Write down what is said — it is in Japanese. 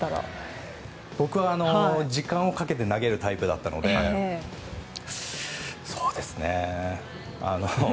僕は、時間をかけて投げるタイプだったのでそうですね。